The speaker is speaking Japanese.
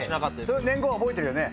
その年号は覚えてるよね？